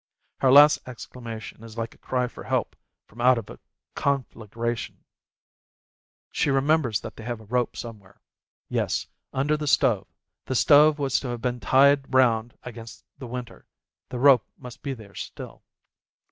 Her last exclamation is like a cry for help from out of a conflagration. A WOMAN'S WRATH 61 She remembers that they have a rope somewhere. Yes, under the stove â€" the stove was to have been tied round against the winter. The rope must be there still.